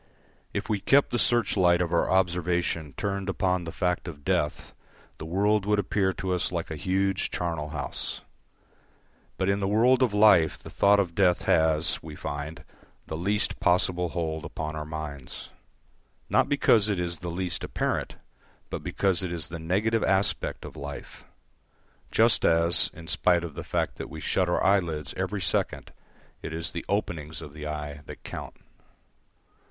If we kept the search light of our observation turned upon the fact of death, the world would appear to us like a huge charnel house; but in the world of life the thought of death has, we find, the least possible hold upon our minds. Not because it is the least apparent, but because it is the negative aspect of life; just as, in spite of the fact that we shut our eyelids every second, it is the openings of the eye that count.